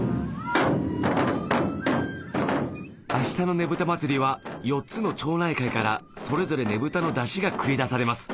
明日のねぶた祭りは４つの町内会からそれぞれねぶたの山車が繰り出されます